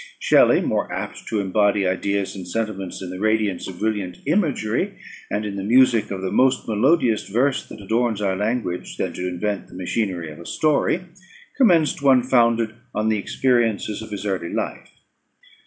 Shelley, more apt to embody ideas and sentiments in the radiance of brilliant imagery, and in the music of the most melodious verse that adorns our language, than to invent the machinery of a story, commenced one founded on the experiences of his early life.